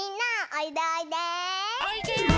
おいで！